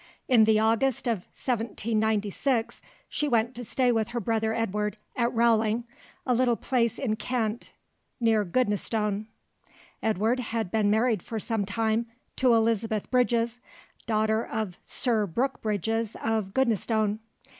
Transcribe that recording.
In the August of 1796 she went to stay with her brother Edward, at Rowling, a little place in Kent, near Goodnestone. Edward had been married for some time to Elizabeth Bridges, daughter of Sir Brook Bridges of Goodnestone.